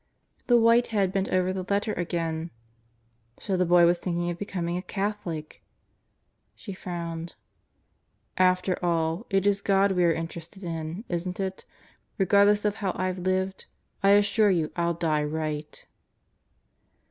The white head bent over the letter again: So the boy was thinking of becoming a Catholic! She frowned ".., after all, it is God we are interested in, isn't it ... regardless of how IVe lived I assure you I'll die right.